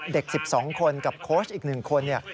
เด็ก๑๒คนกับโค้ชอีก๑คน